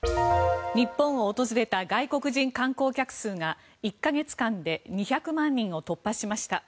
日本を訪れた外国人観光客数が１か月間で２００万人を突破しました。